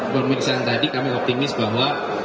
pemeriksaan tadi kami optimis bahwa